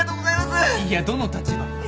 いやどの立場？